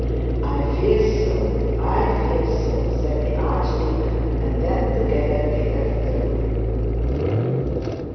'I fear so, I fear so,' said the archdeacon, and then together they left the room.